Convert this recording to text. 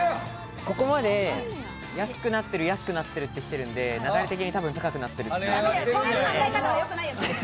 ここまで安くなってるって言ってるんで、流れ的に、たぶん高くなってる。